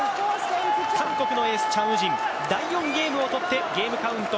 韓国のエースチャン・ウジン第４ゲームを取ってゲームカウント